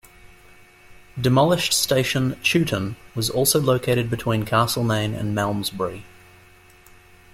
Demolished station Chewton was also located between Castlemaine and Malmsbury.